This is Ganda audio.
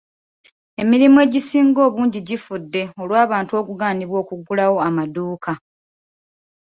Emirimu egisinga obungi gifudde olw'abantu okugaanibwa okuggulawo amadduuka.